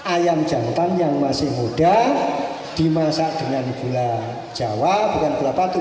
ayam jantan yang masih muda dimasak dengan gula jawa bukan gula patu